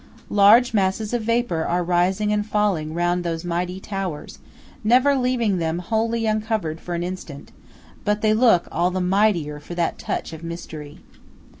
Large masses of vapour are rising and falling round those mighty towers, never leaving them wholly uncovered for an instant; but they look all the mightier for that touch of mystery.